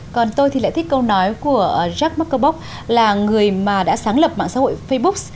còn tôi thì lại thích câu nói của jack mukerbok là người mà đã sáng lập mạng xã hội facebook